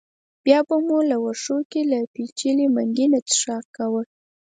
بیا به مو له وښو کې له پېچلي منګي نه څښاک کاوه.